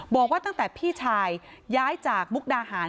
บอกว่าตั้งแต่พี่ชายย้ายจากมุกดาหาร